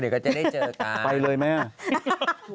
เดี๋ยวจะได้เจอกัน